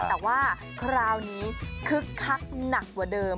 แต่ว่าคราวนี้คึกคักหนักกว่าเดิม